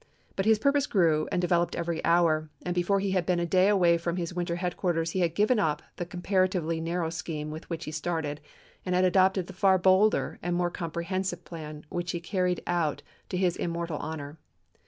But his purpose grew and developed every hour, and before he had been a day away from his winter headquarters he had given up the comparatively narrow scheme with which he started and had adopted the far bolder and more comprehensive plan, which he carried out to his immortal honor.